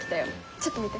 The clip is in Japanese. ちょっと見て。